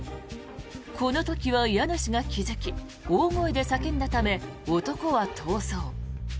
この時は家主が気付き大声で叫んだため男は逃走。